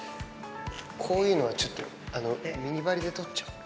こういうのはちょっと、ミニバリで取っちゃおう。